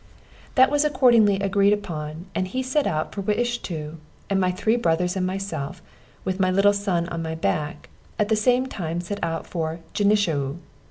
That was accordingly agreed upon, and he set out for Wiishto; and my three brothers and myself, with my little son on my back, at the same time set out for Genishau.